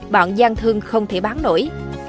bọn giang thương không thể bán nổi